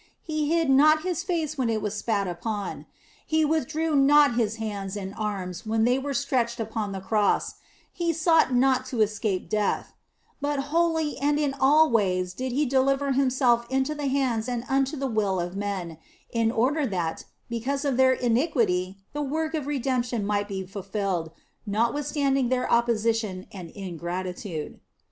He hid not His face when it was spat upon ; He withdrew not His hands and arms when they were stretched upon the Cross, He sought not to escape death ; but wholly and in all ways did He deliver Him self into the hands and unto the will of men, in order that, because of their iniquity, the work of redemption might be fulfilled, notwithstanding their opposition and ingratitude.